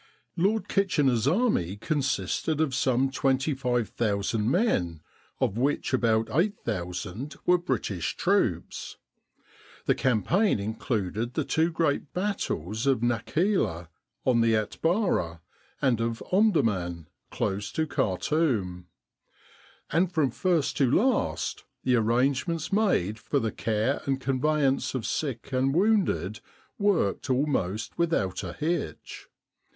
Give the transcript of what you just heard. Lord Kitchener's army consisted of some 25,000 men, of which about 8,000 were British troops. The campaign included the two great battles of Nakheila, on the Atbara, and of Omdurman, close to Khar toum ; and from first to last the arrangements made for the care and conveyance of sick and wounded worked almost without a hitch.